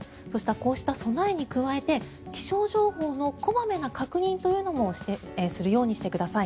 こうした備えに加えて気象情報の小まめな確認というのもするようにしてください。